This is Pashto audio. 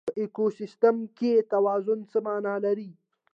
په ایکوسیستم کې توازن څه مانا لري؟